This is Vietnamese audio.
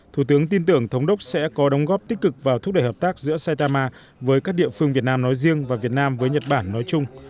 thủ tướng tin tưởng thống đốc sẽ có đóng góp tích cực vào thúc đẩy hợp tác giữa saitama với các địa phương việt nam nói riêng và việt nam với nhật bản nói chung